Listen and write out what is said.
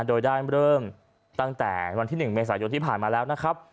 โดยได้เริ่มตั้งแต่วันที่๑เมษายนที่ผ่านมาแล้วนะครับ